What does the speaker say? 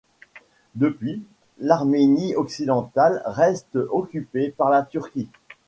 Depuis, l'Arménie occidentale reste occupée par la Turquie.